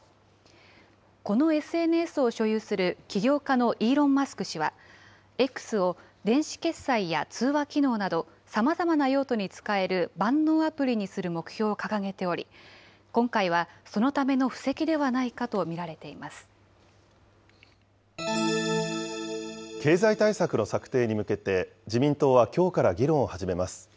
このＳＮＳを所有する起業家のイーロン・マスク氏は、Ｘを電子決済や通話機能などさまざまな用途に使える万能アプリにする目標を掲げており、今回はそのための布石ではないかと見られ経済対策の策定に向けて、自民党はきょうから議論を始めます。